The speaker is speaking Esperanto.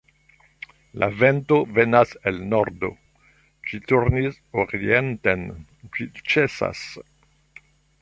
La vento venas el nordo; ĝi turnis orienten, ĝi ĉesas.